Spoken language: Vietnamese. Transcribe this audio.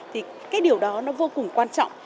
thì cái điều đó nó vô cùng quan trọng